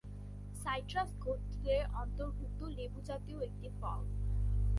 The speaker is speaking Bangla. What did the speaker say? সাইট্রাস গোত্রের অন্তর্ভুক্ত লেবুজাতীয় একটি ফল।